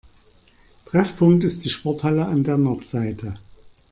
Treffpunkt ist die Sporthalle auf der Nordseite.